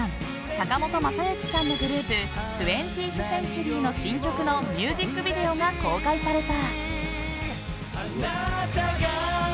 坂本昌行さんのグループ２０ｔｈＣｅｎｔｕｒｙの新曲のミュージックビデオが公開された。